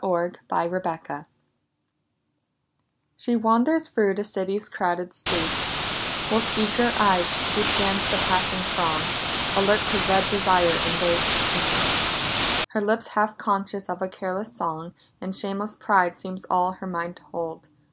II EVE'S DAUGHTERS SHE wanders through the city's crowded streets ; With eager eye she scans the passing throng, Alert to read desire in those she meets; Her lips half conscious of a careless song, And shameless pride seems all her mind to hold.